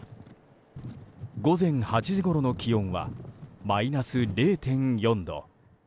午前８時ごろの気温はマイナス０．４度。